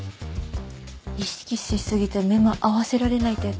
意識しすぎて目も合わせられないってやつ？